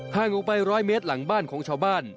ออกไป๑๐๐เมตรหลังบ้านของชาวบ้าน